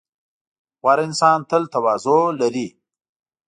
• غوره انسان تل تواضع لري.